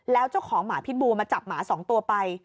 แล้วเจ้าของหมาพิษบูมาจับหมา๒ตัวไป